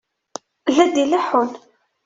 La d-ileḥḥun.